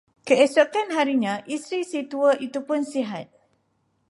Keesokan harinya isteri si tua itupun sihat.